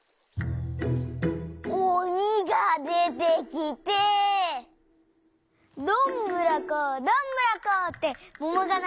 おにがでてきて「どんぶらこどんぶらこ」ってももがながれてきて。